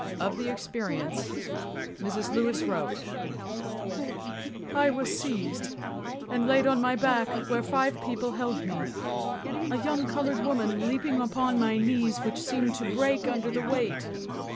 Of the experience Mrs. Lewis wrote:— I was seized and laid on my back, where five people held me, a young colored woman leaping upon my knees, which seemed to break under the weight.